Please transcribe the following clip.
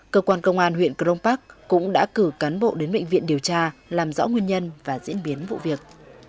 cơ quan công an huyện crong park cũng đã cử cán bộ đến bệnh viện điều tra làm rõ nguyên nhân và diễn biến vụ việc